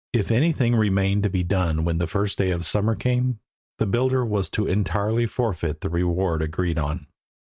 If anything remained to be done when the first day of summer came, the builder was to entirely forfeit the reward agreed on.